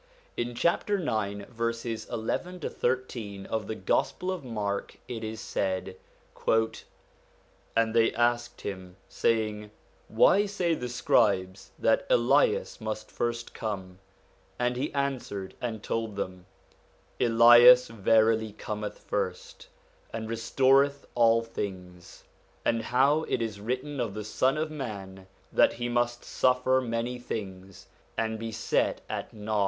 In chapter 9, verses 11 13, of the Gospel of Mark, it is said :' And they asked him, saying, Why say the scribes that Elias must first come ? And he answered and told them, Elias verily cometh first, and restore th all things; and how it is written of the Son of man, that he must suffer many things, and be set at nought.